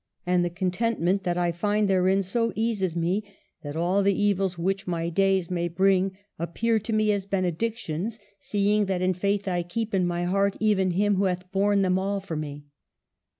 And the contentment that I find therein so eases me, that all the evils which my days may bring appear to me as benedictions, seeing that in faith I keep in my heart even Him who hath borne them all for me.